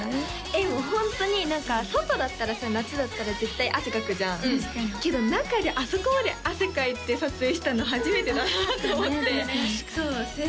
えっホントに何か外だったらさ夏だったら絶対汗かくじゃんけど中であそこまで汗かいて撮影したの初めてだったと思って・ねえ